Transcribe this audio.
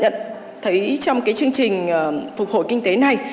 nhận thấy trong cái chương trình phục hồi kinh tế này